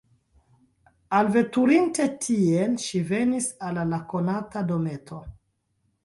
Alveturinte tien, ŝi venis al la konata dometo.